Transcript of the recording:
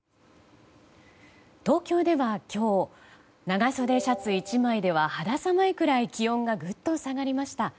東京では今日長袖シャツ１枚では肌寒いくらい気温がぐっと下がりました。